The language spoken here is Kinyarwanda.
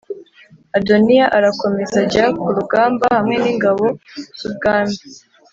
Adoniya arakomeza ajya ku rugamba hamwe n’ingabo z’ubwami